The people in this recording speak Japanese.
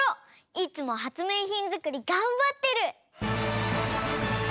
いつもはつめいひんづくりがんばってる！